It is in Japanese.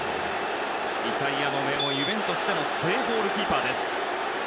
イタリアの名門ユベントスの正ゴールキーパーです。